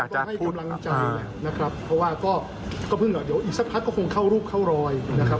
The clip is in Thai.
ก็ให้กำลังใจนะครับเพราะว่าอีกสักพัฒน์ก็คงเข้ารูปเข้ารอยนะครับ